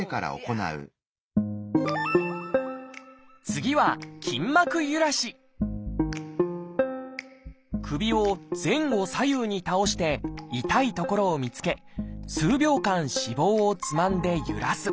次は首を前後左右に倒して痛い所を見つけ数秒間脂肪をつまんでゆらす。